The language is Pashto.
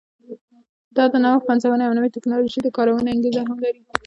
دا د نوښت، پنځونې او نوې ټکنالوژۍ د کارونې انګېزې هم لري.